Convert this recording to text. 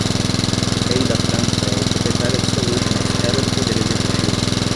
O rei da França é o proprietário absoluto na esfera do poder executivo.